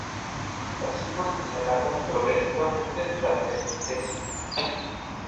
Racimos que se alargan progresivamente durante la antesis.